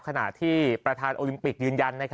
ขณะที่ประธานโอลิมปิกยืนยัน